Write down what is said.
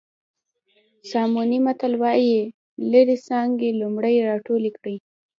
ساموني متل وایي لرې څانګې لومړی راټولې کړئ.